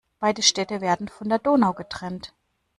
Beide Städte werden von der Donau getrennt.